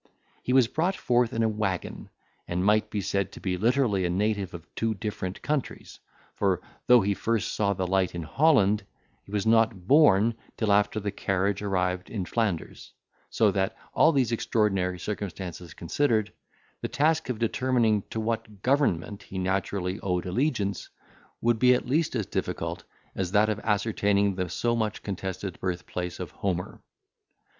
He was brought forth in a waggon, and might be said to be literally a native of two different countries; for, though he first saw the light in Holland, he was not born till after the carriage arrived in Flanders; so that, all these extraordinary circumstances considered, the task of determining to what government he naturally owed allegiance, would be at least as difficult as that of ascertaining the so much contested birthplace of Homer.